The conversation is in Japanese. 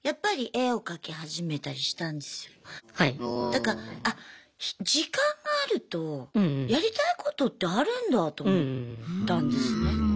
だから時間があるとやりたいことってあるんだあと思ったんですね。